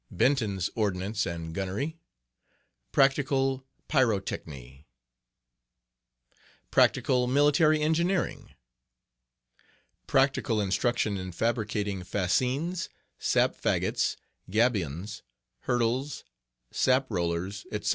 Benton's Ordnance and Gunnery. Practical Pyrotechny. Practical Military........Practical Instruction in Engineering fabricating Fascines, Sap Faggots, Gabions, Hurdles, Sap rollers, etc.